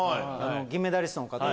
銀メダリストの方